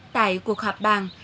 tại cuộc họp bàn